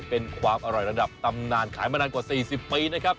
เป็นความอร่อยระดับตำนานขายมานานกว่า๔๐ปีนะครับ